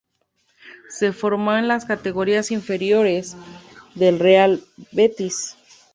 Se formó en las categorías inferiores del Real Betis.